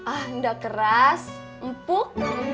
ah enggak keras empuk